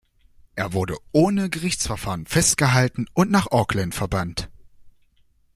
Er wurde ohne Gerichtsverfahren festgehalten und nach Auckland verbannt.